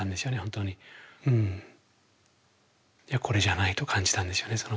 いやこれじゃないと感じたんですよね